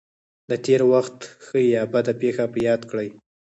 د تېر وخت ښه یا بده پېښه په یاد کړئ.